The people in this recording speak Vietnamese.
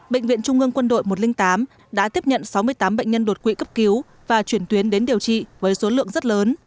bệnh viện trung ương quân đội một trăm linh tám đã tiếp nhận sáu mươi tám bệnh nhân đột quỵ cấp cứu và chuyển tuyến đến điều trị với số lượng rất lớn